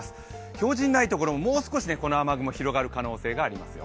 表示にないところももう少しこの雨雲広がる可能性ありますよ。